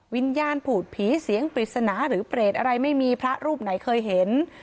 วิญญาณผูดผีเสียงปริศนาหรือเปรตอะไรไม่มีพระรูปไหนเคยเห็น